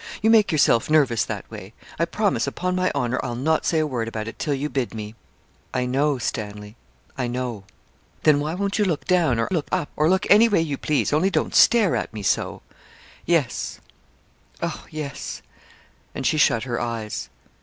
You make yourself nervous that way. I promise, upon my honour, I'll not say a word about it till you bid me.' 'I know, Stanley I know.' 'Then, why won't you look down, or look up, or look any way you please, only don't stare at me so.' 'Yes oh, yes,' and she shut her eyes.